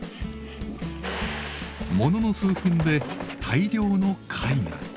ものの数分で大量の貝が。